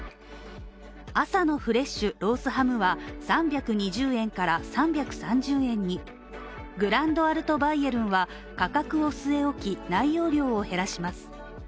朝のフレッシュロースハムは３２０円から３３０円にグランドアルトバイエルンは価格を据え置き、内容量を減らします。